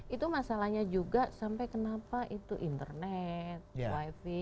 itu masalahnya juga sampai kenapa itu internet wifi